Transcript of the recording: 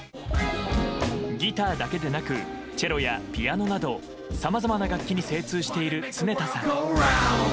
ギターだけでなくチェロやピアノなどさまざまな楽器に精通している常田さん。